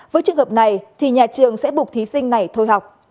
với trường hợp này thì nhà trường sẽ buộc thí sinh này thôi học